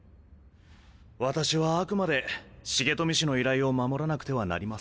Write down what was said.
私はあくまで重富の依頼を守らなくてはなりません。